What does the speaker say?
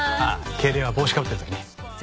敬礼は帽子かぶってる時ね。